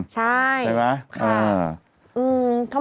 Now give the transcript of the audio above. ใช่ใช่ไหมใช่